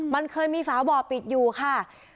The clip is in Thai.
มันเคยมีฝาบ่อปิดอยู่ค่ะ